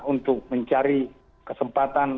untuk mencari kesempatan